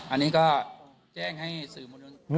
อันนี้ก็แจ้งให้สื่อมวลชน